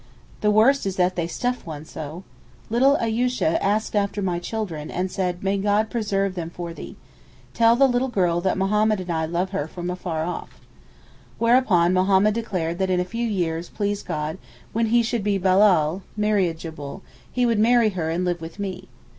The worst is that they stuff one so. Little Ayoosheh asked after my children, and said, 'May God preserve them for thee! Tell thy little girl that Mohammed and I love her from afar off.' Whereupon Mohammed declared that in a few years, please God, when he should be balal (marriageable) he would marry her and live with me.